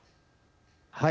はい。